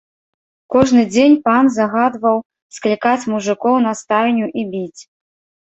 Кожны дзень пан загадваў склікаць мужыкоў на стайню і біць.